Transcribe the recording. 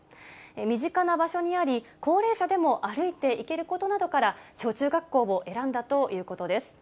身近な場所にあり、高齢者でも歩いて行けることなどから、小中学校を選んだということです。